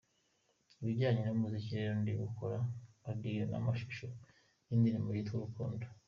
Ibijyanye n'umuziki rero ndi gukora audio n'amashusho y'indirimbo yitwa 'Urukundo'.